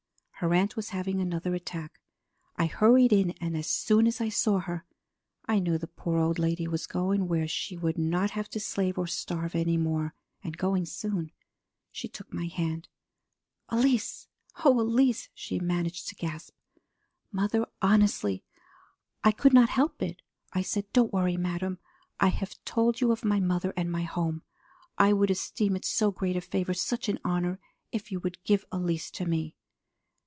Her aunt was having another attack. I hurried in, and as soon as I saw her I knew the poor old lady was going where she would not have to slave and starve any more, and going soon. She took my hand. "'Elise; oh, Elise!' she managed to gasp. Mother, honestly I just could not help it! I said, 'Don't worry, madame! I have told you of my mother and my home. I would esteem it so great a favor, such an honor, if you would give Elise to me.'"